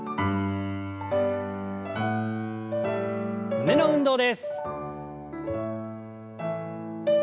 胸の運動です。